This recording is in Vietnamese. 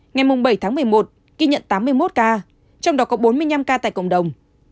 ngày bảy tháng một mươi một ghi nhận tám mươi một ca trong đó có bốn mươi năm ca tại cộng đồng